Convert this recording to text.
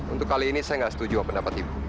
untuk kali ini saya nggak setuju pendapat ibu